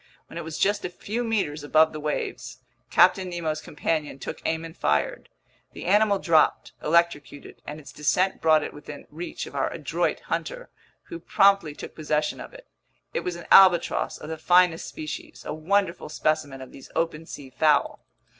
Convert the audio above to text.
When it was just a few meters above the waves, Captain Nemo's companion took aim and fired. The animal dropped, electrocuted, and its descent brought it within reach of our adroit hunter, who promptly took possession of it. It was an albatross of the finest species, a wonderful specimen of these open sea fowl.